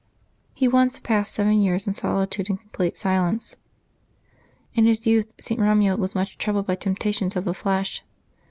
He once passed seven years in solitude and complete silence. In his youth St. Eomuald was much troubled by temp tations of the flesh.